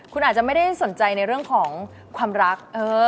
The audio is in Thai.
คุณอาจจะไม่ได้สนใจในเรื่องของความรัก